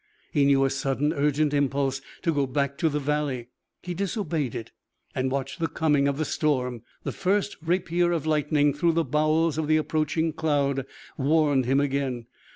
He knew a sudden, urgent impulse to go back to the valley. He disobeyed it and watched the coming of the storm. The first rapier of lightning through the bowels of the approaching cloud warned him again.